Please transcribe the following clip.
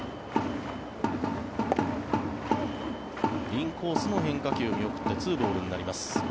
インコースの変化球見送って２ボールになります。